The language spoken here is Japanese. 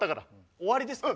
終わりですか？